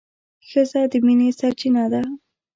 ښځه د مينې سرچينه ده